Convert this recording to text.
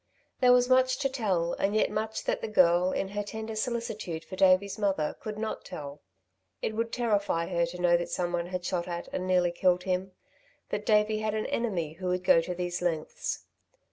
There was much to tell and yet much that the girl, in her tender solicitude for Davey's mother, could not tell. It would terrify her to know that someone had shot at and nearly killed him, that Davey had an enemy who would go to these lengths.